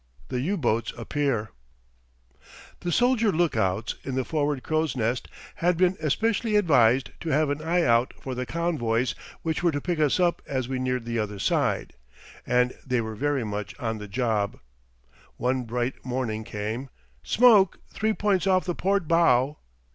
THE U BOATS APPEAR The soldier lookouts in the forward crow's nest had been especially advised to have an eye out for the convoys which were to pick us up as we neared the other side; and they were very much on the job. One bright morning came: "Smoke three points off the port bow....